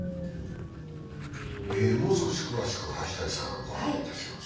もう少し詳しく、橋谷さんがご案内いたします。